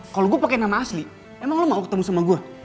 kalau gue pakai nama asli emang lo mau ketemu sama gue